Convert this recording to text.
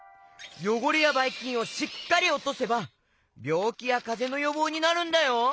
よごれやバイキンをしっかりおとせばびょうきやかぜのよぼうになるんだよ！